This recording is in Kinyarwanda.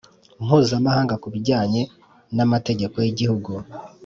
mpuzamahanga ku bijyanye n’ amategeko y’igihugu